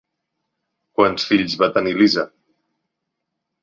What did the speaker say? Quants fills va tenir Lisa?